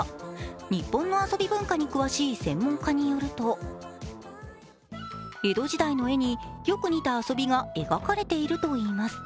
日本の遊び文化に詳しい専門家によると江戸時代の絵によく似た遊びが描かれているといいます。